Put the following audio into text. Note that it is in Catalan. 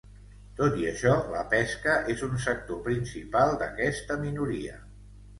Tot i això, la pesca és un sector principal d'aquesta minoria.